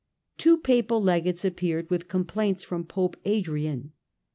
Two Papal Legates appeared with complaints from Pope Adrian.